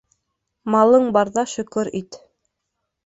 Малың барҙа шөкөр ит